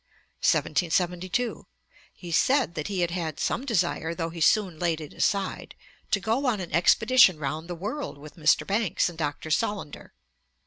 Ante, i. 470. 1772. He said that he had had some desire, though he soon laid it aside, to go on an expedition round the world with Mr. Banks and Dr. Solander.